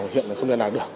hiện là không thể nào được